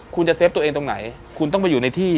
คุณจะเซฟตัวเองตรงไหนคุณต้องไปอยู่ในที่